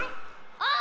あっ！